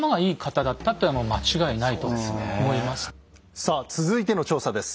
さあ続いての調査です。